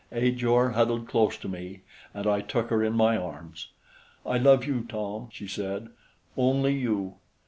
Ajor huddled close to me, and I took her in my arms. "I love you, Tom," she said, "only you."